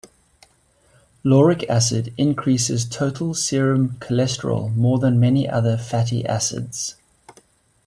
Lauric acid increases total serum cholesterol more than many other fatty acids.